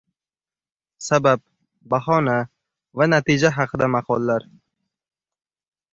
Sabab, bahona va natija haqida maqollar.